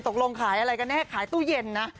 ตกลงขายอะไรกันแน่ขายตู้เย็นนะ